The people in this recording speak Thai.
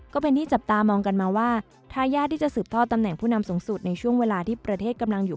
ก็เป็นที่จับตามองกันมาว่าทายาทที่จะสืบทอดตำแหน่งผู้นำสูงสุดในช่วงเวลาที่ประเทศกำลังอยู่